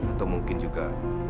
atau mungkin juga